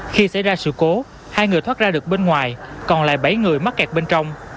khi xảy ra sự cố hai người thoát ra được bên ngoài còn lại bảy người mắc kẹt bên trong